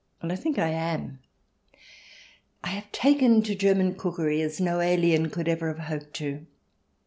And I think I am. I have taken to German cookery as no alien could ever have hoped to do.